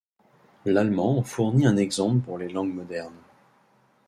L'allemand en fournit un exemple pour les langues modernes.